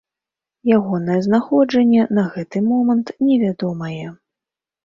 Ягонае знаходжанне на гэты момант невядомае.